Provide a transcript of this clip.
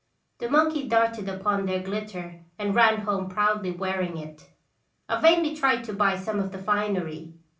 The monkey darted upon their glitter and ran home proudly wearing it. I vainly tried to buy some of the finery.